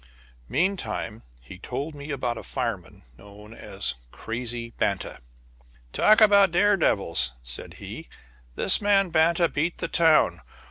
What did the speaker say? Meantime, he told me about a fireman known as "Crazy" Banta. "Talk about daredevils!" said he, "this man Banta beat the town.